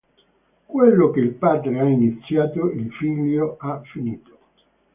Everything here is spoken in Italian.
Quello che il padre ha iniziato, il figlio ha finito.